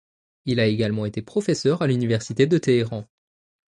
Il a également été professeur à l'université de Téhéran.